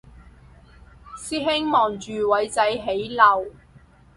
師兄望住偉仔起樓？